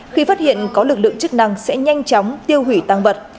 khi phát hiện có lực lượng chức năng sẽ nhanh chóng tiêu hủy tăng vật